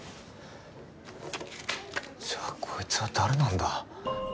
じゃあこいつは誰なんだ？